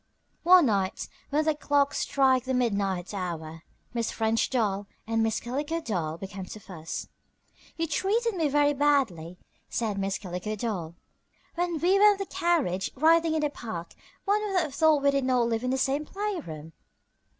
One night when the clock struck the midnight hour Miss French Doll and Miss Calico Doll began to fuss. "You treated me very badly," said Miss Calico Doll. "When we were in the carriage riding in the park one would have thought we did not live in the same playroom."